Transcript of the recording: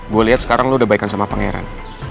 gue liat sekarang lo udah baikan sama pangeran